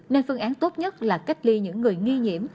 nên phương án tốt nhất là cách ly những người nghi nhiễm